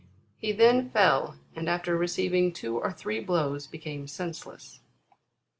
He then fell, and, after receiving two or three blows, became senseless.